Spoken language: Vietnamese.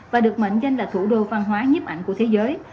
và được mệnh danh là thủ đô văn hóa nhiếp ảnh của thế giới